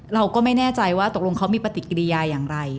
เราก็ไม่แน่ใจว่าตกลงเขามีปฏิกิริยาอย่างไร